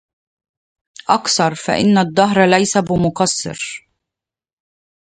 أقصر فإن الدهر ليس بمقصر